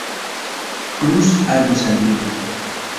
Cruz algo saliente.